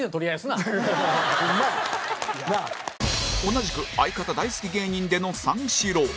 同じく相方大好き芸人での三四郎